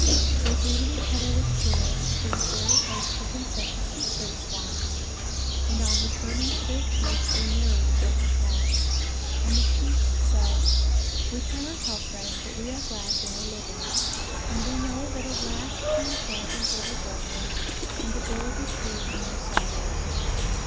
They greeted each other with joy, for the Fairy Host had been sent to seek for the swans; and on returning to their chiefs they narrated what had passed, and the chiefs said, "We cannot help them, but we are glad they are living; and we know that at last the enchantment will be broken and that they will be freed from their sorrows."